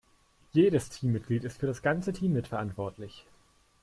Jedes Teammitglied ist für das ganze Team mitverantwortlich.